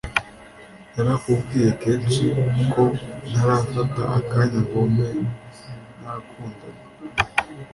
narakubwiye kenshi ko ntarafata akanya ngombe nakundana